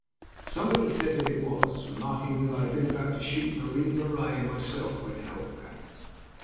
Somebody said that it was, remarking that I had been about to shoot Marie Marais and myself when help came.